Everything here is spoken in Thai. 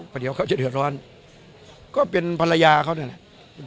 พอเดี๋ยวเขาจะเหลือร้อนก็เป็นภรรยาเขานั่น